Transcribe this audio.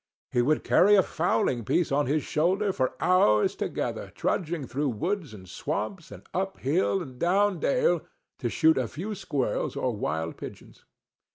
He would carry a fowling piece on his shoulder for hours together, trudging through woods and swamps, and up hill and down dale, to shoot a few squirrels or wild pigeons.